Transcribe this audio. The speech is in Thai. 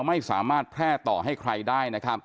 ไม่สามารถแพทย์ต่อให้ใครได้